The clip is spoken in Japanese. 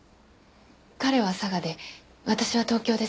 彼は佐賀で私は東京です。